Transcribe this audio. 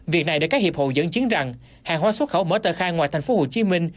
việc này để các hiệp hội dẫn chứng rằng hàng hóa xuất khẩu mở tờ khai ngoài thành phố hồ chí minh